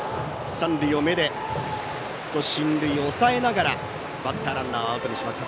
三塁を目で進塁を押さえながらバッターランナーをアウトにしました。